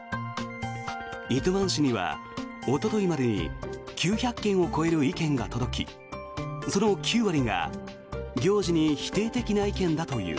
糸満市には、おとといまでに９００件を超える意見が届きその９割が行事に否定的な意見だという。